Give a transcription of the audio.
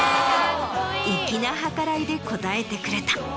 粋な計らいで応えてくれた。